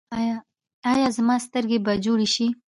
ایا زما سترګې به جوړې شي؟